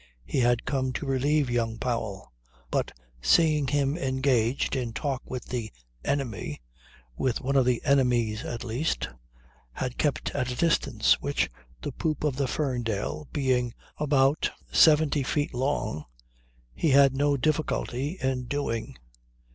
He had come to relieve young Powell; but seeing him engaged in talk with the "enemy" with one of the "enemies" at least had kept at a distance, which, the poop of the Ferndale being aver seventy feet long, he had no difficulty in doing.